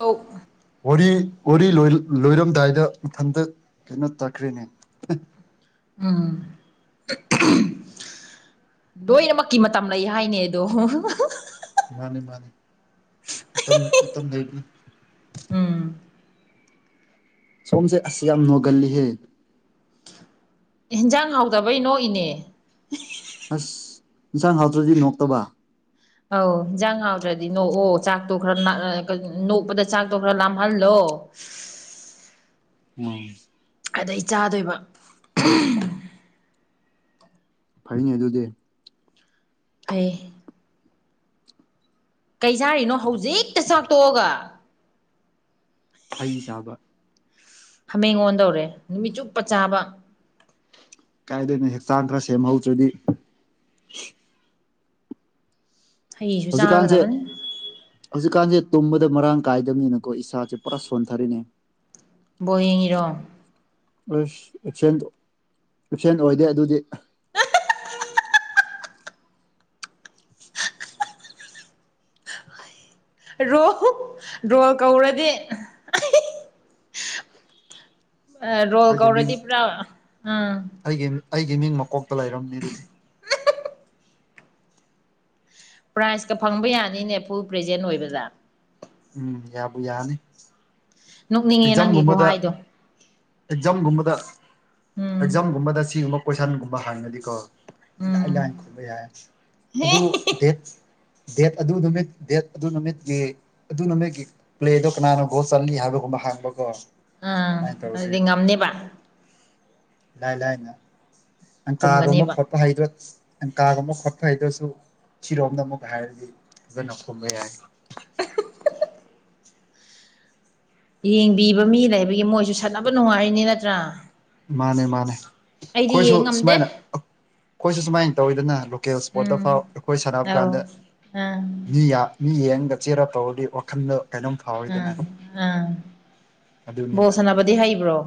ꯑꯧ ꯋꯥꯔꯤ ꯋꯥꯔꯤ ꯂꯣꯏꯔꯝꯗꯥꯏꯗ ꯃꯊꯟꯇ ꯀꯩꯅꯣ ꯆꯠꯈ꯭ꯔꯦꯅꯦ ꯎꯝ ꯂꯣꯏꯅꯃꯛꯀꯤ ꯃꯇꯝ ꯂꯩ ꯍꯥꯏꯅꯦꯗꯣ ꯃꯥꯅꯦ ꯃꯥꯅꯤ ꯃꯇꯝ ꯃꯇꯝ ꯂꯩꯔꯤ ꯎꯝ ꯁꯣꯝꯁꯦ ꯑꯁ ꯌꯥꯝꯅꯣꯒꯜꯂꯤꯍꯦ ꯏꯟꯖꯥꯡ ꯍꯥꯎꯗꯕꯩ ꯅꯣꯛꯏꯅꯦ ꯑꯁ ꯏꯟꯁꯥꯡ ꯍꯥꯎꯇ꯭ꯔꯗꯤ ꯅꯣꯛꯇꯕ ꯑꯧ ꯏꯟꯖꯥꯡ ꯍꯥꯎꯗ꯭ꯔꯗꯤ ꯅꯣꯛꯑꯣ ꯆꯥꯛꯇꯣ ꯈꯔ ꯅꯣꯛꯄꯗ ꯆꯥꯛꯇꯣ ꯈꯔ ꯂꯥꯝꯍꯜꯂꯣ [unintelligible] ꯎꯝ ꯑꯗꯩ ꯆꯥꯗꯣꯏꯕ ꯐꯩꯅꯦ ꯑꯗꯨꯗꯤ ꯐꯩ ꯀꯩ ꯆꯥꯔꯤꯅꯣ ꯍꯧꯖꯤꯛꯇ ꯆꯥꯛꯇꯣꯛꯑꯒ ꯍꯩ ꯆꯕ ꯍꯥꯃꯦꯡ ꯑꯣꯟꯗꯧꯔꯦ ꯅꯨꯃꯤꯠ ꯆꯨꯞꯄ ꯆꯥꯕ ꯀꯥꯏꯗꯩꯅꯣ ꯍꯛꯆꯥꯡ ꯈꯔ ꯁꯦꯝꯍꯧꯗ꯭ꯔꯗꯤ ꯍꯩꯁꯨ ꯍꯧꯖꯤꯛꯀꯥꯟꯁꯦ ꯆꯥꯒꯗꯕꯅꯤ ꯍꯧꯖꯤꯛꯀꯥꯟꯁꯦ ꯇꯨꯝꯕꯗ ꯃꯔꯥꯡ ꯀꯥꯏꯗꯕꯅꯤꯅꯀꯣ ꯏꯁꯥꯁꯦ ꯄꯨꯔꯥ ꯁꯣꯟꯊꯔꯤꯅꯦ ꯕꯣꯜ ꯌꯦꯡꯉꯤꯔꯣ ꯑꯁ ꯑꯦꯞꯁꯦꯟꯗ‌ꯣ-ꯑꯦꯞꯁꯦꯟ ꯑꯣꯏꯗꯦ ꯑꯗꯨꯗꯤ ꯔꯣ ꯔꯣꯜ ꯀꯧꯔꯗꯤ ꯑ ꯔꯣꯜ ꯑꯩꯒꯤ ꯃꯤꯡ ꯀꯧꯔꯗꯤ ꯄꯨꯔ ꯑꯝ ꯑꯩꯒꯤ ꯑꯩꯒꯤ ꯃꯤꯡ ꯃꯀꯣꯛꯇ ꯂꯩꯔꯝꯅꯤ ꯑꯗꯨꯗꯤ ꯄ꯭ꯔꯥꯏꯖꯀ ꯐꯪꯕ ꯌꯥꯅꯤꯅꯦ ꯐꯨꯜ ꯄ꯭ꯔꯖꯦꯟ ꯑꯣꯏꯕꯗꯥ ꯎꯝ ꯌꯥꯕꯨ ꯌꯥꯅꯤ ꯅꯣꯛꯅꯤꯡꯉꯦ ꯅꯪꯒꯤ ꯑꯦꯛꯖꯥꯝꯒꯨꯝꯕꯗ ꯈꯨꯍꯥꯏꯗꯣ ꯑꯦꯛꯖꯥꯝꯒꯨꯝꯕꯗ ꯎꯝ ꯑꯦꯛꯖꯥꯝꯒꯨꯝꯕꯗ ꯁꯤꯒꯨꯝꯕ ꯀꯣꯏꯁꯟ ꯒꯨꯝꯕ ꯍꯥꯡꯒꯗꯤꯀꯣ ꯂꯥꯏ ꯎꯝ ꯂꯥꯏ ꯈꯣꯏꯕ ꯌꯥꯏ ꯑꯗꯨ ꯗꯦꯠ ꯗꯦꯠ ꯑꯗꯨ ꯅꯨꯃꯤꯠ ꯗꯦꯠ ꯑꯗꯨ ꯅꯨꯃꯤꯠꯀꯤ ꯑꯗꯨꯅ ꯅꯣꯏꯒꯤ ꯄ꯭ꯂꯦꯗꯣ ꯀꯅꯥꯅꯣ ꯒꯨꯜ ꯆꯂꯤ ꯍꯥꯏꯕꯒꯨꯝꯕ ꯍ ꯪꯕꯀꯣ ꯑꯥ ꯑꯗꯨꯗꯤ ꯉꯝꯅꯦꯕ ꯂꯥꯏ-ꯂꯥꯏꯅ ꯑꯪꯀꯥꯒꯨꯝꯕ ꯈꯨꯝꯒꯅꯦꯕ ꯈꯣꯠꯄ ꯑꯪꯀꯥꯒꯨꯝꯕ ꯈꯣꯠꯄ ꯍꯩꯗ꯭ꯔꯁꯨ ꯁꯤꯔꯣꯝꯗ ꯑꯃꯨꯛ ꯍꯥꯏꯔꯗꯤ ꯑꯗꯨ ꯅꯈꯣꯕꯩ ꯌꯥꯏ ꯌꯦꯡꯕꯤꯕ ꯃꯤ ꯂꯩꯕꯒꯤ ꯃꯣꯏꯁꯨ ꯁꯥꯟꯅꯕ ꯅꯨꯡꯉꯥꯏꯔꯤꯅꯤ ꯅꯠꯇ꯭ꯔꯥ ꯃꯥꯅꯦ ꯃꯥꯅꯦ ꯑꯩꯗꯤ ꯑꯩꯈꯣꯏꯁꯨ ꯌꯦꯡ ꯉꯝꯗꯦ ꯁꯨꯃꯥꯏꯅ ꯑꯩꯈꯣꯏꯁꯨ ꯁꯨꯃꯥꯏꯅ ꯇꯧꯋꯤꯗꯅ ꯂꯣꯀꯦꯜ ꯏ꯭ꯁꯄꯣ꯭ꯔꯠꯇ ꯎꯝ ꯐꯥꯎ ꯑꯩꯈꯣꯏ ꯁꯥꯟꯅꯕ ꯑꯧ ꯀꯥꯟꯗ ꯑꯥ ꯃꯤ ꯃꯤ ꯌꯦꯡꯉꯒ ꯆꯦꯔ ꯇꯧꯔꯗꯤ ꯋꯥꯈꯜꯗ ꯀꯩꯅꯣꯝ ꯐꯥꯎꯋꯤꯗꯅ ꯎꯝ ꯎꯝ ꯑꯗꯨꯅꯦꯕ ꯕꯣꯁꯟꯅꯅꯕꯗꯤ ꯍꯩꯕ꯭ꯔꯣ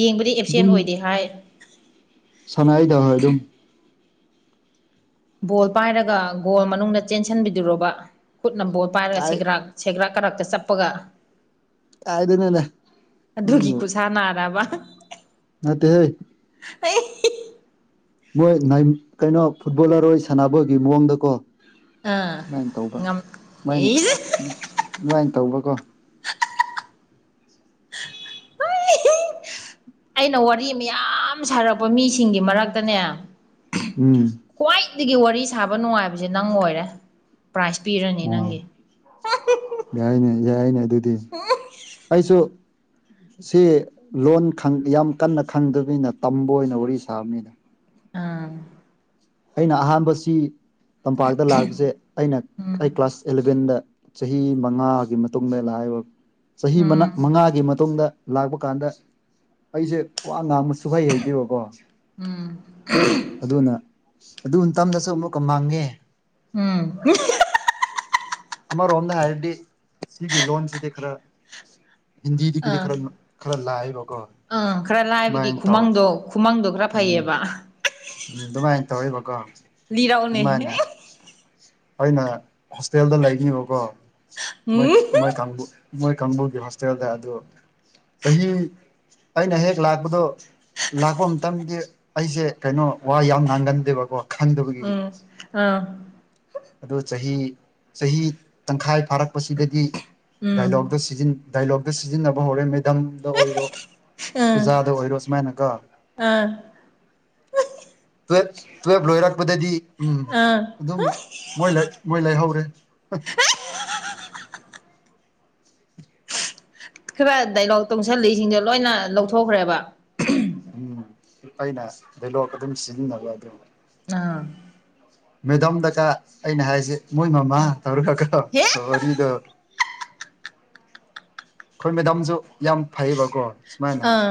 ꯌꯦꯡꯕꯗꯤ ꯑꯦꯞꯁꯦꯟ ꯑꯣꯏꯗꯦ ꯍꯥꯏ ꯁꯥꯟꯅꯔꯤꯗ ꯍꯣꯏ ꯑꯗꯨꯝ ꯕꯣꯜ ꯄꯥꯏꯔꯒ ꯒꯣꯜ ꯃꯅꯨꯡꯗ ꯆꯦꯟꯁꯤꯟꯕꯤꯗꯨꯣꯔꯣꯕ ꯈꯨꯠꯅ ꯕꯣꯜ ꯄꯥꯏꯔꯒ ꯀꯥꯏ ꯁꯤꯒ꯭ꯔꯥꯛ ꯁꯦꯒ꯭ꯔꯥꯛ ꯀꯔꯛꯇ ꯆꯞꯄꯒ ꯀꯥꯏꯗꯅꯣꯅꯦ ꯑꯗꯨꯒꯤ ꯈꯨꯠꯁꯥ ꯅꯥꯗꯔꯕ ꯑꯠꯇ ꯍꯦ ꯑꯩ ꯃꯣꯏ ꯀꯩꯅꯣ ꯐꯨꯠꯕꯣꯂꯔ ꯑꯣꯏ ꯁꯥꯟꯅꯕꯣꯏꯒꯤ ꯃꯑꯣꯡꯗ ꯀꯣ ꯑꯥ ꯑꯗꯨꯃꯥꯏꯅ ꯇꯧꯕ ꯉꯝ ꯑꯗꯨꯃꯥꯏꯅ ꯏꯁ ꯑꯗꯨꯃꯥꯏꯅ ꯇꯧꯕ ꯀꯣ ꯑꯩꯅ ꯋꯥꯔꯤ ꯃꯌꯥꯝ ꯁꯥꯔꯛꯄ ꯃꯤꯁꯤꯡꯒꯤ ꯃꯔꯛꯇꯅꯦ ꯎꯝ ꯈ꯭ꯋꯥꯏꯗꯒꯤ ꯋꯥꯔꯤ ꯁꯥꯕ ꯅꯨꯡꯉꯥꯏꯕꯁꯦ ꯅꯪ ꯑꯣꯏꯔꯦ ꯄ꯭ꯔꯥꯏꯖ ꯄꯤꯔꯅꯤ ꯑꯣ ꯅꯪꯒꯤ ꯌꯥꯏꯅꯦ ꯌꯥꯏꯅꯦ ꯑꯗꯨꯗꯤ ꯑꯩꯁꯨ ꯁꯤ ꯂꯣꯟ ꯌꯥꯝ ꯀꯟꯅ ꯈꯪꯗꯕꯅꯤꯅ ꯇꯝꯕ ꯑꯣꯏꯅ ꯋꯥꯔꯤ ꯁꯥꯕꯅꯤꯅ ꯑꯥ ꯑꯩꯅ ꯑꯍꯥꯟꯕꯁꯤ ꯇꯝꯄꯥꯛꯇ ꯂꯥꯛꯄꯁꯦ ꯑꯩꯅ ꯑꯩ ꯎꯝ ꯀ꯭ꯂꯥꯁ ꯑꯦꯂꯕꯦꯟꯗ ꯆꯍꯤ ꯃꯉꯥꯒꯤ ꯃꯇꯨꯡꯗ ꯂꯥꯛꯏꯕ ꯆꯍꯤ ꯎꯝ ꯃꯉꯥꯒꯤ ꯃꯇꯨꯡꯗ ꯂꯥꯛꯄ ꯀꯥꯟꯗ ꯑꯩꯁꯦ ꯋꯥ ꯉꯥꯡꯕ ꯁꯨꯍꯩ ꯍꯩꯗꯦꯕꯀꯣ ꯎꯝ ꯑꯗꯨꯅ ꯑꯗꯨ ꯇꯝꯗꯁꯨ ꯑꯃꯨꯛꯀ ꯃꯥꯡꯒꯦ ꯎꯝ ꯑꯃꯔꯣꯝꯗ ꯍꯥꯏꯔꯗꯤ ꯁꯤꯒꯤ ꯂꯣꯟꯁꯤꯗꯤ ꯈꯔ ꯍꯤꯟꯗꯤꯗꯒꯤꯗꯤ ꯑꯥ ꯈꯔ ꯈꯔ ꯂꯥꯛꯑꯕꯀꯣ ꯑꯗꯨꯃꯥꯏꯅ ꯇꯧꯔ ꯈꯨꯃꯥꯡꯗꯣꯒꯥ ꯐꯩꯌꯦꯕ ꯎꯝ ꯑꯗꯨꯃꯥꯏꯅ ꯇꯧꯔꯤꯕꯀꯣ ꯂꯤꯔꯥꯎꯅꯦ ꯑꯩꯅ ꯍꯣꯁꯇꯦꯜꯗ ꯂꯩꯅꯤꯕꯀꯣ ꯃꯣꯏ ꯎꯝ ꯃꯣꯏ ꯀꯥꯡꯕꯨ ꯃꯣꯏ ꯀꯥꯡꯕꯨꯒꯤ ꯍꯣꯁꯇꯦꯜꯗ ꯑꯗꯨ ꯆꯍꯤ ꯑꯩꯅ ꯍꯦꯛ ꯂꯥꯛꯄꯗꯣ ꯂꯥꯛꯄ ꯃꯇꯝꯗꯤ ꯑꯩꯁꯦ ꯀꯩꯅꯣ ꯋꯥ ꯌꯥꯝ ꯉꯥꯡꯒꯟꯗꯦꯕꯀꯣ ꯈꯪꯗꯕꯒꯤ ꯎꯝ ꯑꯥ ꯑꯗꯨ ꯆꯍꯤ ꯆꯍꯤ ꯇꯪꯈꯥꯏ ꯐꯥꯔꯛꯄꯁꯤꯗꯗꯤ ꯎꯝ ꯗꯥꯏꯂꯣꯛꯗꯣ ꯁꯤꯖꯤꯟ ꯗꯥꯏꯂꯣꯛꯇ ꯁꯤꯖꯤꯟꯅꯕ ꯍꯧꯔꯦ ꯃꯦꯗꯝꯗ ꯑꯣꯏꯔꯣ ꯑꯥ ꯑꯣꯖꯥꯗ ꯑꯣꯏꯔꯣ ꯁꯨꯃꯥꯏꯅꯀꯣ ꯑꯥ ꯇꯨꯌ‌ꯦꯝ-ꯇꯨꯌ‌ꯦꯝ ꯂꯣꯏꯔꯛꯄꯗꯗꯤ ꯎꯝ ꯑꯥ ꯑꯗꯨꯝ ꯃꯣꯏ [inaudible] ꯃꯣꯏ ꯂꯩꯍꯧꯔꯦ ꯈꯔ ꯗꯥꯏꯂꯣꯛ ꯇꯨꯡꯁꯜꯂꯤꯏꯁꯤꯡꯗꯣ ꯂꯣꯏꯅ ꯂꯧꯊꯣꯛꯈ꯭ꯔꯦꯕ ꯎꯝ ꯑꯩꯅ ꯚꯦꯂꯣꯛ ꯑꯗꯨꯝ ꯁꯤꯖꯤꯟꯅꯕ ꯑꯗꯨꯝ ꯑꯥ ꯃꯦꯗꯝꯝꯗꯀ ꯑꯩꯅ ꯍꯥꯏꯁꯦ ꯃꯣꯏ ꯃꯃꯥ ꯎꯝ ꯇꯧꯔꯒꯒ ꯍꯦ ꯋꯥꯔꯤꯗꯣ ꯑꯩꯈꯣꯏ ꯃꯦꯗꯥꯝꯁꯨ ꯌꯥꯝ ꯐꯩꯌꯦꯕꯀꯣ ꯁꯨꯃꯥꯏꯅ ꯑꯥ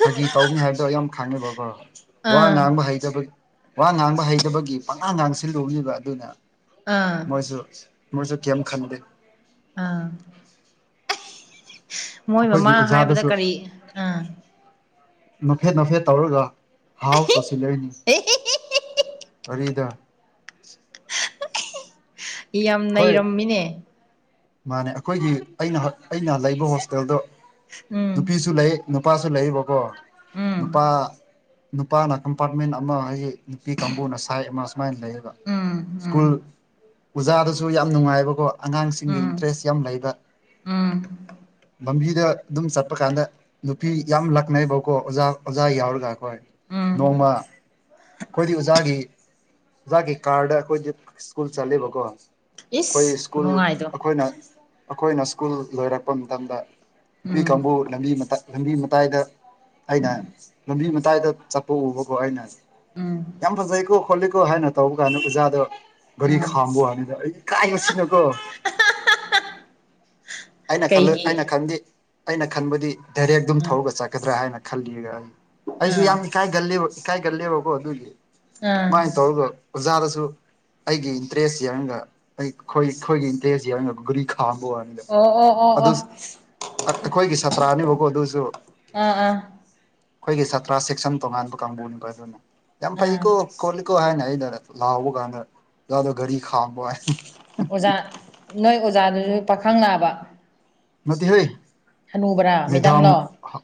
ꯐꯥꯒꯤ ꯇꯧꯅꯤ ꯍꯥꯏꯕꯗꯣ ꯌꯥꯝ ꯈꯪꯉꯕꯕ ꯋꯥ ꯑꯥ ꯉꯥꯡꯕ ꯍꯩꯇꯕꯒꯤ ꯋꯥ ꯉꯥꯡꯕ ꯍꯩꯇꯕꯒꯤ ꯄꯉꯥ ꯉꯥꯡꯁꯤꯜꯂꯨꯕꯅꯤꯕ ꯑꯗꯨꯅ ꯑꯥ ꯃꯣꯏꯁꯨ ꯃꯣꯏꯁꯨ ꯀꯔꯤꯝ ꯈꯟꯗꯦ ꯑꯥ ꯃꯣꯏ ꯃꯃꯥ ꯑꯩꯈꯣꯏꯒꯤ ꯍꯥꯏꯕꯗ ꯑꯣꯖꯥꯗꯁꯨ ꯀꯔꯤ ꯑꯥ ꯅꯐꯦꯠ ꯅꯐꯦꯠ ꯇꯧꯔꯒ ꯍꯥꯎ ꯇꯧꯁꯤꯜꯂꯛꯏꯅꯤ ꯑꯦ ꯋꯥꯔꯤꯗꯥ ꯏ ꯌꯥꯝ ꯑꯩꯈꯣꯏ ꯅꯩꯔꯝꯃꯤꯅꯦ ꯃꯥꯅꯦ ꯑꯩꯈꯣꯏꯒꯤ ꯑꯩꯅ ꯑꯩꯅ ꯂꯩꯕ ꯍꯣꯁꯇꯦꯜꯗꯣ ꯎꯝ ꯅꯨꯄꯤꯁꯨ ꯂꯩ ꯅꯨꯄꯥꯁꯨ ꯂꯩꯕꯀꯣ ꯎꯝ ꯅꯨꯄꯥ ꯅꯨꯄꯥꯅ ꯀꯝꯄꯥ꯭ꯔꯠꯃꯦꯟ ꯑꯃ ꯍꯥꯏꯖ‍ꯦ ꯅꯨꯄꯤ ꯀꯥꯡꯕꯨꯅ ꯁꯥ꯭ꯏꯠ ꯑꯃ ꯁꯨꯃꯥꯏꯅ ꯂꯩꯌꯦꯕ ꯎꯝ ꯎꯝ ꯁ꯭ꯀꯨꯜ ꯑꯣꯖꯥꯗꯁꯨ ꯁꯨ ꯌꯥꯝ ꯅꯨꯡꯉꯥꯏꯕꯀꯣ ꯑꯉꯥꯡꯁꯤꯡꯒꯤ ꯎꯝ ꯏꯟꯇꯔꯦꯁ ꯌꯥꯝ ꯂꯩꯕ ꯎꯝ ꯂꯝꯝꯕꯤꯗ ꯑꯗꯨꯝ ꯆꯠꯄ ꯀꯥꯟꯗ ꯅꯨꯄꯤ ꯌꯥꯝ ꯂꯛꯅꯩꯕꯀꯣ ꯑꯣꯖꯥ ꯑꯣꯖꯥ ꯌꯥꯎꯔꯒ ꯑꯩꯈꯣꯏ ꯎꯝ ꯅꯣꯡꯃ ꯑꯩꯈꯣꯏꯗꯤ ꯑꯣꯖꯥꯒꯤ ꯑꯣꯖꯥꯒꯤ ꯀꯥꯔꯗ ꯑꯩꯈꯣꯏꯗꯤ ꯁ꯭ꯀꯨꯜ ꯆꯠꯂꯦꯕꯀꯣ ꯑꯩꯈꯣꯏ ꯏꯁ ꯁ꯭ꯀꯨꯜ ꯈꯨꯅꯨꯡꯉꯥꯏꯗꯣ ꯑꯩꯈꯣꯏꯅ ꯑꯩꯈꯣꯏꯅ ꯁ꯭ꯀꯨꯜ ꯂꯣꯏꯔꯛꯄ ꯃꯇꯝꯗ ꯅꯨꯄꯤ ꯎꯝ ꯀꯥꯡꯕꯨ ꯂꯝꯕꯤ ꯃꯇ ꯂꯝꯕꯤ ꯃꯇꯥꯏꯗ ꯑꯩꯅ ꯂꯝꯕꯤ ꯃꯇꯥꯏꯗ ꯆꯠꯄ ꯎꯕꯀꯣ ꯑꯩꯅ ꯎꯝ ꯌꯥꯝ ꯐꯖꯩꯀꯣ ꯈꯣꯠꯂꯤꯀꯣ ꯍꯥꯏꯅ ꯇꯧꯕ ꯀꯥꯟꯗ ꯎꯖꯥꯗꯣ ꯒꯥꯔꯤ ꯎꯝ ꯈꯥꯝꯕꯣ ꯍꯥꯏꯕꯗ ꯑꯩ ꯏꯀꯥꯏꯁꯤꯅꯀꯣ ꯑꯩꯅ ꯈꯜꯂ‌ꯦ ꯀꯩꯒꯤ ꯑꯩꯅ-ꯈꯟꯗꯤ ꯑꯩꯅ-ꯈꯟꯕꯗꯤ ꯗꯥꯏꯔꯦꯛ ꯑꯗꯨꯝ ꯑꯥ ꯊꯧꯔꯒ ꯆꯠꯀꯗ꯭ꯔꯥ ꯍꯥꯏꯅ ꯈꯜꯂꯤꯒ ꯑꯩ ꯑꯩꯁꯨ ꯑꯥ ꯌꯥꯝ ꯏꯀꯥꯏꯒꯜꯂꯤꯕ ꯏꯀꯥꯏꯒꯂꯦꯕꯀꯣ ꯑꯗꯨꯒꯤꯥꯏ ꯑꯥ ꯇꯧꯒꯖꯥꯗꯁꯨ ꯑꯩꯒꯤ ꯏꯟꯇꯔꯦꯁꯁꯤ ꯌꯦꯡꯉꯒ ꯑꯩ ꯑꯩꯈꯣꯏꯒꯤ ꯏꯟꯇꯔꯦꯁꯁꯤ ꯌꯦꯡꯒ ꯒꯔꯤ ꯈꯥꯝꯕ ꯋꯥꯅꯤꯗ ꯑꯗꯨ ꯑꯣ-ꯑꯣ-ꯑꯣ-ꯑꯣ ꯑꯩꯈꯣꯏꯒꯤ ꯁꯥꯇ꯭ꯔꯥꯅꯤꯕꯀꯣ ꯑꯗꯨꯁꯨ ꯑꯥ-ꯑꯥ ꯑꯩꯈꯣꯏꯒꯤ ꯁꯥꯇ꯭ꯔꯥ ꯁꯦꯛꯁꯟ ꯇꯣꯉꯥꯟꯕ ꯀꯥꯡꯕꯨ [inaudible] ꯌꯥꯝ ꯑꯥ ꯐꯩꯀꯣ ꯈꯣꯠꯂꯤꯀꯣ ꯍꯥꯏꯅ ꯑꯩꯅ ꯂꯥꯎꯕ ꯀꯥꯟꯗ [inaudible] ꯒꯥꯔꯤ ꯈꯥꯝꯕ ꯍꯥꯏ ꯑꯣꯖꯥ ꯅꯣꯏ ꯑꯣꯖꯥꯗꯨꯁꯨ ꯄꯥꯈꯪ ꯂꯥꯕ ꯅꯠꯇ‌ꯦꯍ‌ꯦ ꯍꯅꯨꯕ꯭ꯔꯥ ꯃ‍ꯦꯗꯥꯝ ꯃꯦꯗꯥꯝꯂꯣ ꯍ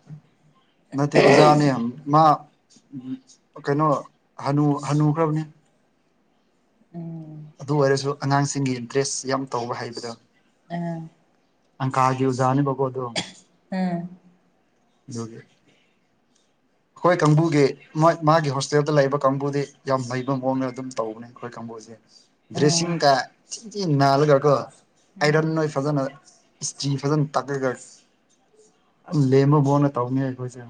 ꯅꯠꯇꯦ ꯑꯣꯖꯥꯅ‌ꯦ ꯑꯝ ꯃꯥ ꯀꯩꯅꯣ ꯍꯅꯨ ꯍꯅꯨꯈ꯭ꯔꯅꯤ ꯎꯝ ꯑꯗꯨ ꯑꯣꯏꯔꯁꯨ ꯑꯉꯥꯡꯁꯤꯡꯒꯤ ꯏꯟꯇ꯭ꯔꯦꯁ ꯌꯥꯝ ꯇꯧꯕ ꯍꯥꯏꯕꯗꯣ ꯑꯥ ꯑꯪ ꯀꯥꯒꯤꯨꯖꯥꯅꯤꯕꯣ ꯑꯗꯨ ꯎꯝ [inaudible] ꯑꯩꯈꯣꯏ ꯀꯥꯡꯕꯨꯒꯤ ꯃꯥꯒꯤ ꯍꯣꯁꯇꯦꯜꯗ ꯂꯩꯔꯤꯕ ꯀꯥꯡꯕꯨꯗꯤ ꯌꯥꯝ ꯍꯩꯕ ꯃꯑꯣꯡꯗ ꯑꯗꯨꯝ ꯇꯧꯕꯅꯦ ꯑꯩꯣꯏ ꯀꯁꯦ ꯗ꯭ꯔꯦ ꯑꯣ ꯀ ꯅꯅꯥꯒꯔꯒ ꯑꯥꯏꯔꯟ ꯎꯝ ꯅꯣꯏ ꯐꯖꯅ ꯏꯁꯇꯤ ꯐꯖꯅ ꯇꯛꯑꯒ ꯂꯦꯝꯃꯕꯣꯅ ꯇꯧꯅꯤ ꯑꯩꯈꯣꯏꯁꯦ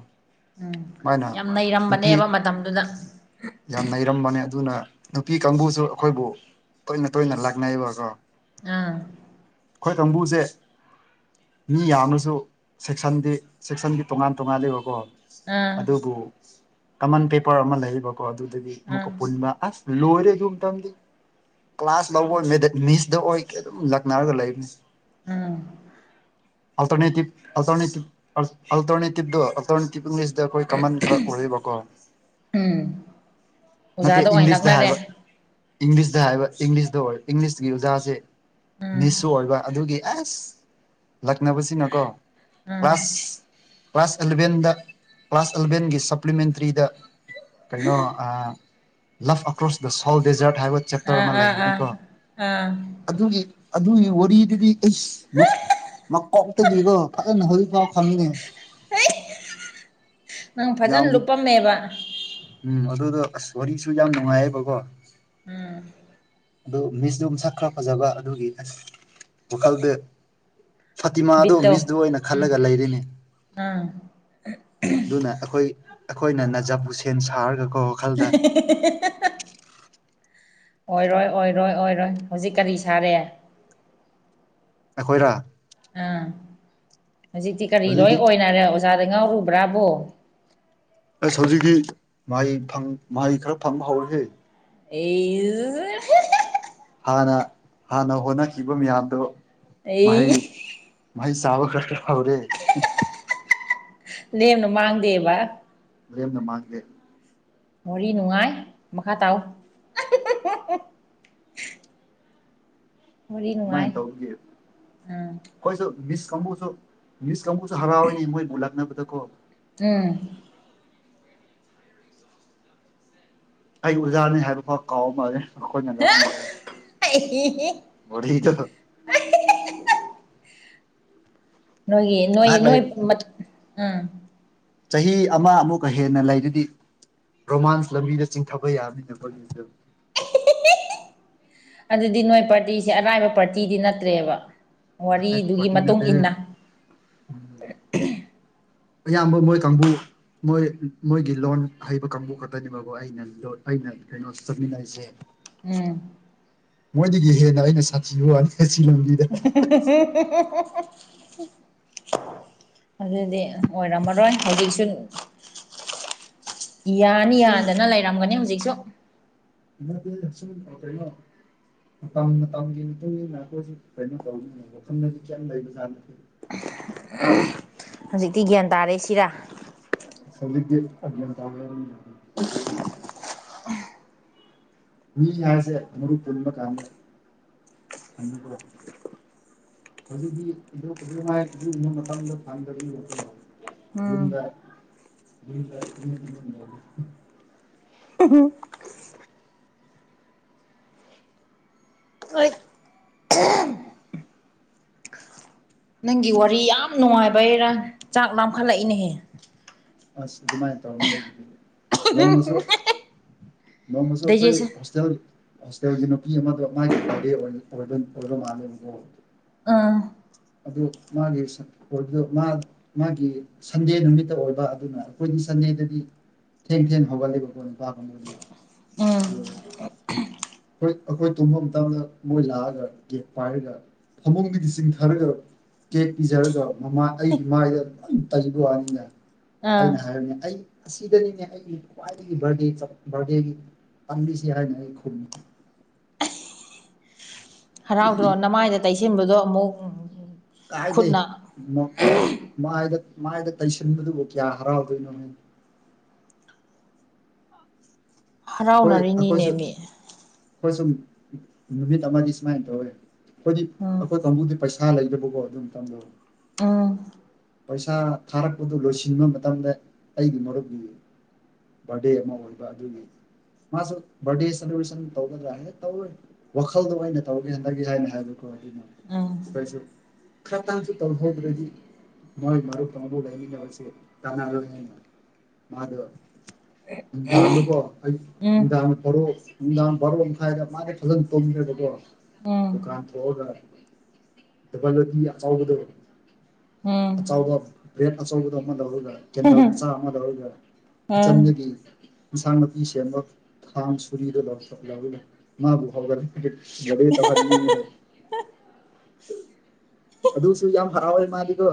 ꯎꯝ ꯃꯥꯅ ꯌꯥꯝ ꯅꯨꯄꯤ ꯅꯩꯔꯝꯕꯅꯦꯕ ꯃꯇꯝꯗꯨꯗ ꯌꯥꯝ ꯅꯩꯔꯝꯕꯅꯦ ꯑꯗꯨꯅ ꯅꯨꯄꯤ ꯀꯥꯡꯕꯨꯁꯨ ꯑꯩꯈꯣꯏꯕꯨ ꯇꯣꯏꯅ ꯇꯣꯏꯅ ꯂꯥꯛꯅꯩꯕꯀꯣ ꯑꯥ ꯑꯩꯈꯣꯏ ꯀꯥꯡꯕꯨꯁꯦ ꯃꯤ ꯌꯥꯝꯅꯁꯨ ꯁꯦꯛꯁꯟꯗꯤ ꯁꯦꯛꯁꯟꯒꯤ ꯇꯣꯉꯥꯟ ꯇꯣꯉꯥꯜꯂꯤꯕꯀꯣ ꯑꯥ ꯑꯗꯨꯕꯨ ꯀꯃꯟ ꯄꯦꯄꯔ ꯑꯃ ꯂꯩꯌꯦꯕꯀꯣ ꯑꯗꯨꯗꯒꯤ ꯑꯥ ꯑꯃꯨꯛꯀ ꯄꯨꯟꯕ ꯑꯁ ꯂꯣꯔꯦ ꯇꯝꯗꯤ ꯀ꯭ꯂꯥꯁ ꯂꯧꯕ [inaudible] ꯃꯤꯁꯗ ꯑꯣꯏꯒ ꯑꯗꯨꯝ ꯂꯛꯅꯔꯒ ꯂꯩꯕꯅꯤ ꯎꯝ ꯑꯜꯇꯔꯅꯦꯇꯤꯚ ꯑꯜꯇꯔꯅꯦꯇꯤꯚ ꯑꯜꯇꯔꯅꯦꯇꯤꯞꯗꯣ-ꯑꯜꯇ꯭ꯔꯅꯦꯇꯤꯞ ꯏꯪꯂꯤꯁꯇꯤ ꯑꯩꯈꯣꯏ ꯀꯃꯟ ꯈꯔ ꯑꯣꯏꯕꯀꯣ ꯎꯝ ꯅꯠꯇꯦ ꯑꯣꯖꯥꯗ ꯑꯣꯏꯅ ꯏꯪꯂꯤꯁꯇ ꯂꯛꯅꯔꯦ ꯍꯥꯏꯕ ꯏꯪꯂꯤꯁꯇ ꯍꯥꯏꯕ ꯏꯪꯂꯤꯁꯇ ꯑꯣꯏ ꯏꯪꯂꯤꯁꯀꯤ ꯑꯣꯖꯥꯁꯦ ꯎꯝ ꯃꯤꯁꯁꯨ ꯑꯣꯏꯕ ꯑꯗꯨꯒꯤ ꯑꯁ ꯂꯛꯅꯕꯁꯤꯅꯀꯣ ꯎꯝ ꯀ꯭ꯂꯥꯁ ꯀ꯭ꯂꯥꯁ ꯑꯦꯂꯚꯦꯟꯗ ꯀ꯭ꯂꯥꯁ ꯑꯦꯂꯚꯦꯟꯒꯤ ꯁꯄ꯭ꯂꯤꯃꯦꯟꯇꯔꯤꯗ ꯀꯩꯅꯣ ꯑ love across the salt desert ꯍꯥꯏꯕ ꯆꯦꯞꯇꯔ ꯑꯥ ꯑꯃ ꯑꯥ ꯑꯥ ꯂꯩꯕꯅꯤꯀꯣ ꯑꯥ ꯑꯗꯨꯒꯤ ꯑꯗꯨꯒꯤ ꯋꯥꯔꯤꯗꯨꯗꯤ ꯏꯁ ꯃꯥ ꯀꯣꯛ ꯇꯕꯤꯒꯣ ꯐꯅ ꯍꯣꯏ ꯐꯥꯎ ꯈꯪꯅꯦ ꯍ ꯅꯪ ꯌꯥꯝ ꯐꯖꯅ ꯂꯨꯞꯄꯝꯃꯦꯕ ꯎꯝ ꯑꯗꯨꯗꯣ ꯑꯁ ꯋꯥꯔꯤꯁꯨ ꯌꯥꯝ ꯅꯨꯡꯉꯥꯏꯌꯦꯕꯀꯣ ꯎꯝ ꯑꯗꯨ ꯃꯤꯁꯇꯣꯝ ꯁꯛꯈ꯭ꯔ ꯐꯖꯕ ꯑꯗꯨꯒꯤ ꯑꯁ ꯋꯥꯈꯜꯗ ꯐꯇꯤꯃꯥꯗꯨ ꯕꯤꯠꯇꯣ ꯃꯤꯁꯗꯨ ꯑꯣꯏꯅ ꯎꯝ ꯈꯜꯂꯒ ꯂꯩꯔꯩꯅꯤ ꯑꯥ ꯑꯗꯨꯅ ꯑꯩꯈꯣꯏ ꯑꯩꯈꯣꯏꯅ ꯅꯖꯞ ꯍꯣꯁꯦꯟ ꯁꯥꯔꯒ ꯀꯣ [unintelligible] ꯑꯣꯏꯔꯣꯏ ꯑꯣꯏꯔꯣꯏ ꯑꯣꯏꯔꯣꯏ ꯍꯧꯖꯤꯛ ꯀꯔꯤ ꯁꯥꯔꯦ ꯑꯩꯈꯣꯏꯔ ꯑꯥ ꯍꯧꯖꯤꯛꯇꯤ ꯀꯔꯤ ꯂꯣꯏ ꯍꯧꯖꯤꯛꯇꯤ ꯑꯣꯏꯅꯔꯦ ꯑꯣꯖꯥꯗ ꯉꯥꯎꯔꯨꯕ꯭ꯔꯥꯕꯣ ꯑꯁ ꯍꯧꯖꯤꯛꯀꯤ ꯃꯍꯩ ꯃꯍꯩ ꯈꯔ ꯐꯪꯕ ꯍꯧꯔꯁꯤꯦ ꯑꯩꯜ ꯍꯥꯟꯅ ꯍꯥꯟꯅ ꯍꯣꯠꯅꯈꯤꯕ ꯃꯌꯥꯝꯗꯣ ꯑꯩ ꯃꯍꯩ ꯃꯥꯥꯏ ꯆꯕ ꯀꯥꯁ ꯐꯥꯎꯔꯦ ꯅꯦꯝꯅ ꯃꯥꯡꯗꯦꯕ ꯃꯅ ꯃꯥꯥꯡꯗꯦ ꯃꯔꯤ ꯅꯨꯡꯉꯥꯏ ꯃꯈꯥ ꯇꯥ ꯋꯥꯔꯤ ꯅꯨꯡꯉꯥꯏ ꯑꯗꯨꯨꯃꯥꯏꯅ ꯇꯧꯒ ꯎꯝ ꯑꯩꯈꯣꯏꯁꯨ ꯃꯤꯁ ꯀꯥꯡꯕꯨꯁꯨ ꯅꯨꯁ ꯀꯥꯡꯕꯨꯁꯨ ꯍꯔꯥꯎꯏꯅꯦ ꯃꯣꯏ ꯎꯠꯂꯛꯅꯕꯗꯀꯣ ꯎꯝ ꯑꯩ ꯑꯣꯖꯥꯅꯤ ꯍꯥꯏꯕ ꯐꯥꯎ ꯀꯥꯎꯝ ꯃꯥꯂꯦ ꯑꯩꯈꯣꯢ ꯃꯦꯗꯝꯅ ꯋꯥꯔꯤꯗꫭ ꯅꯣꯏ ꯅꯣꯏ ꯉꯥꯏꯍꯥꯛ ꯂꯩ ꯅꯣꯏ ꯃ ꯑꯥ ꯆꯍꯤ ꯑꯃ ꯑꯃꯨꯛꯀ ꯍꯦꯟꯅ ꯂꯩꯗꯨꯗꯤ ꯔꯣꯃꯥꯟ꯭ꯁ ꯂꯝꯕꯤꯗ ꯆꯤꯡꯊꯕ ꯌꯥꯕꯅꯤꯅ ꯕꯣ ꯑꯗꯨꯗꯤ ꯅꯣꯏ ꯄꯥꯔꯇꯤꯁꯦ ꯑꯔꯥꯏꯕ ꯄꯥꯔꯇꯤꯗꯤ ꯅꯠꯇ꯭ꯔꯦꯕ ꯋꯥꯔꯤꯗꯨꯒꯤ ꯃꯇꯨꯡ ꯏꯟꯅ ꯎꯝ ꯑꯌꯥꯝꯕ ꯃꯣꯏ ꯀꯥꯡꯕꯨ ꯃꯣꯏ ꯃꯣꯏꯒꯤ ꯂꯣꯟ ꯍꯩꯕ ꯀꯥꯡꯕꯨ ꯈꯛꯇꯅꯦꯕꯕꯨ ꯑꯩ ꯑꯩꯅ ꯑꯩꯅ ꯀꯩꯅꯣ ꯆꯠꯃꯤꯟꯅꯩꯁꯦ ꯎꯝ ꯃꯣꯏꯗꯒꯤ ꯍꯦꯟꯅ ꯑꯩꯅ ꯁꯥꯊꯤꯌꯅꯤꯂꯝꯕꯤ [unintelligible] ꯑꯗꯨꯗꯤ ꯑꯣꯏꯔꯝꯃꯔꯣꯏ ꯍꯧꯖꯤꯛꯁꯨ ꯌꯥꯅꯤ ꯁꯨꯝ ꯌꯥꯗꯅ ꯂꯩꯔꯝꯒꯅꯤ ꯍꯧꯖꯤꯛꯁꯨ ꯏꯁꯟꯄꯂꯣ ꯃꯇꯝ ꯃꯇꯝꯒꯤ ꯃꯇꯨꯡ ꯏꯟꯅ ꯑꯩꯈꯣꯏꯁꯨ ꯀꯩꯅꯣ ꯇꯧꯅꯤꯅ ꯋꯥꯈꯜꯗꯗꯤ ꯀꯌꯥꯝ ꯂꯩꯕ ꯖꯥꯠꯅꯠꯇꯦ ꯍꯧꯖꯤꯛꯇꯤ ꯒ꯭ꯌꯥꯟ ꯇꯥꯔꯛꯦꯏꯁꯤꯔꯥ ꯆꯜꯦ ꯑ ꯇꯥꯡ ꯃꯤ ꯍꯥꯏꯁꯦ ꯃꯔꯨꯄ ꯄꯨꯟꯕ ꯀꯥꯟꯗ ꯍꯧꯖꯤꯛꯇꯤ ꯃꯇꯝꯗ ꯐꯗꯠꯇ ꯎꯝ ꯌꯗ ꯌ [unintelligible] ꯎꯝ ꯍꯣꯏ ꯅꯪꯒꯤ ꯋꯥꯔꯤ ꯌꯥꯝ ꯅꯨꯡꯉꯥꯏꯕꯩꯔꯥ ꯆꯥꯛ ꯂꯥꯝꯈꯠꯂꯛꯏꯅꯦꯍꯦ ꯑꯁ ꯑꯗꯨꯃꯥꯏꯅ ꯇꯧꯔꯝꯅꯤ ꯑꯩꯕꯨꯗꯤ ꯅꯣꯡꯃꯁꯨ-ꯅꯣꯡꯃꯁꯨ ꯑꯩꯈꯣꯏ ꯗꯥꯏꯖꯦꯁꯟ ꯍꯣꯁꯇꯦꯜ ꯍꯣꯁꯇꯦꯜꯒꯤ ꯅꯨꯄꯤ ꯑꯃꯗ ꯃꯥꯒꯤ ꯕꯥꯔꯗꯦ ꯑꯣꯏꯕ ꯃꯥꯜꯂꯦꯕꯀꯣ ꯑꯥ ꯑꯗꯨ ꯃꯥꯒꯤ ꯁ ꯑꯣꯏꯕ ꯃꯥꯒꯤ ꯁꯟꯗꯦ ꯅꯨꯃꯤꯠꯇ ꯑꯣꯏꯕ ꯑꯗꯨꯅ ꯑꯩꯈꯣꯏꯗꯤ ꯁꯟꯗꯦꯗꯗꯤ ꯊꯦꯡ ꯊꯦꯡ ꯍꯒꯕꯄꯥ ꯎꯝ ꯍꯣꯏ ꯑꯩꯈꯣꯏ ꯇꯨꯝꯕ ꯃꯇꯝꯗ ꯃꯣꯏ ꯂꯥꯛꯑꯒ ꯒꯦꯠ ꯄꯥꯏꯔꯒ ꯐꯃꯨꯡꯗꯨꯗꯤ ꯆꯤꯡ ꯈꯔꯒ ꯀꯦꯛ ꯄꯤꯖꯔꯒ ꯃꯃꯥ ꯑꯩꯒꯤ ꯃꯥꯏꯗ ꯇꯩꯕ ꯋꯥꯅꯤꯅꯦ ꯑꯩꯅ ꯑꯥ ꯍꯥꯏꯔꯝꯅꯦ ꯑꯩ ꯑꯁꯤꯗꯅꯤꯅꯦ ꯑꯩꯒꯤ ꯈ꯭ꯋꯥꯏꯗꯒꯤ ꯕꯥꯔꯗꯦ ꯕꯥꯔꯗꯦꯒꯤ ꯄꯥꯡꯂꯤꯁꯤ ꯍꯥꯏꯅ ꯑꯩ ꯈꯨꯝꯃꯤ ꯍꯔꯥꯎꯗ꯭ꯔꯣ ꯅꯃꯥꯏꯗ ꯇꯩꯁꯤꯟꯕꯗꯣ ꯑꯃꯨꯛ ꯈꯨꯠꯅ ꯥꯏ ꯃꯥꯏꯗ ꯇꯩꯁꯤꯟꯕꯗꯨꯕꯨ ꯀꯌꯥ ꯍꯔꯥꯎꯗꯣꯏꯅꯣ ꯍꯥꯏ ꯑꯩꯈꯣꯏ ꯑꯩꯈꯣꯏꯁꯨ ꯍꯔꯥꯎꯅꯔꯤꯅꯤꯅꯦ ꯃꯤ ꯑꯩꯈꯣꯏ ꯁꯨꯝ ꯅꯨꯃꯤꯠ ꯑꯃꯗꯤ ꯁꯨꯃꯥꯏꯅ ꯇꯧꯋꯦ ꯑꯩꯈꯣꯏꯗꯤ ꯎꯝ ꯑꯩꯈꯣꯏ ꯀꯥꯡꯕꯨꯗꯤ ꯄꯩꯁꯥ ꯂꯩꯗꯕꯀꯣ ꯑꯗꯨꯝ ꯇꯝꯗ ꯎꯝ ꯄꯩꯁꯥ ꯊꯥꯔꯛꯄꯗꯨ ꯂꯣꯏꯁꯤꯟꯕ ꯃꯇꯝꯗ ꯑꯩꯒꯤ ꯃꯔꯨꯞꯗꯤ ꯕꯥꯔꯗꯦ ꯑꯃ ꯑꯣꯏꯕ ꯑꯗꯨꯅꯤ ꯃꯥꯁꯨ ꯕꯔꯗꯦ ꯁꯦꯂꯕ꯭ꯔꯦꯁꯟ ꯇꯧꯒꯗꯔ ꯇꯧꯔꯣ ꯋꯥꯈꯜꯗꯣ ꯑꯣꯏꯅ ꯇꯧꯒꯦ ꯍꯟꯗꯒꯦ ꯍꯥꯏꯅ ꯍꯥꯏꯕꯀꯣ ꯑꯗꯨꯅ ꯎꯝ ꯀꯣꯏꯁꯨ ꯈꯔꯇꯥꯡꯁꯨ ꯇꯧꯍꯧꯗ꯭ꯔꯗꯤ ꯃ‌ꯣꯏ ꯃꯔꯨꯞ ꯀꯥꯡꯕꯨ ꯂꯩꯃꯤꯟꯅꯕꯁꯤ [inaudible] ꯍꯥꯏꯅ ꯃꯥꯗ ꯃꯦꯀꯣ ꯑꯩ ꯑ ꯎꯝ ꯊꯔ ꯐꯔ ꯊ ꯃꯥꯒꯤ ꯐꯖꯟ ꯇ ꯗꯨ ꯀꯥꯟ ꯎꯝ ꯐꯒꯣ ꯑꯕꯗ ꯑꯆꯥꯎꯕ ꯎꯝ ꯕ꯭ꯔꯦꯗ ꯑꯆꯧꯕꯗꯣ ꯑꯃ ꯂꯧꯔꯒ ꯀꯦꯟꯗꯜ ꯃꯆꯥ ꯑꯃ ꯂꯧꯔꯒ ꯎꯝ ꯀꯤꯠꯆꯟꯗꯒꯤ ꯏꯟꯁꯥꯡ ꯅꯥꯄꯤ ꯁꯦꯝꯕ ꯊꯥꯡ ꯁꯨꯔꯤꯗꯨ [inaudible] ꯃꯥꯕꯨ [inaudible] ꯑ ꯑꯗꯨ ꯁꯨ ꯌꯥꯝ ꯌꯥꯝ ꯐꯔ ꯑꯣꯏ ꯃꯥꯗꯤꯀꯣ